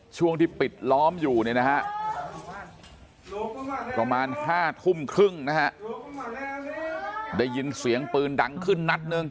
ช่วงที่ปิดล้อมอยู่เนี่ยนะฮะประมาณ๕ทุ่มครึ่งนะฮะได้ยินเสียงปืนดังขึ้นนัดหนึ่ง